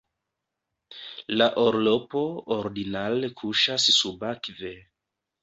La orlopo ordinare kuŝas subakve.